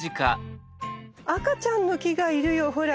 赤ちゃんの木がいるよほら。